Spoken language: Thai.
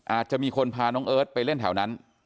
อาจจะมีคนพาน้องเอิร์ทไปเล่นแถวนั้น